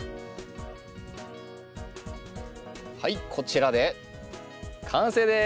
はいこちらで完成です。